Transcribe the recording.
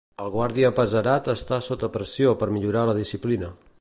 El guàrdia apesarat està sota pressió per millorar la disciplina.